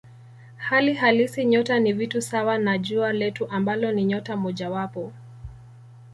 Hali halisi nyota ni vitu sawa na Jua letu ambalo ni nyota mojawapo.